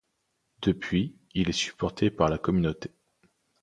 Depuis, il est supporté par la communauté.